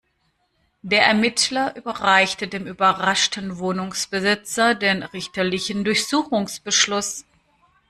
Der Ermittler überreichte dem überraschten Wohnungsbesitzer den richterlichen Durchsuchungsbeschluss.